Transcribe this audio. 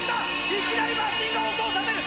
いきなりマシンが音を立てる！